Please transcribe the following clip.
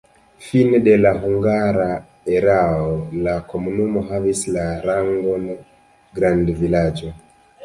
Fine de la hungara erao la komunumo havis la rangon grandvilaĝo.